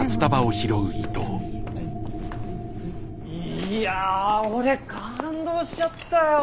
いや俺感動しちゃったよ。